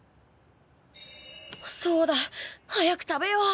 そうだ早く食べよう！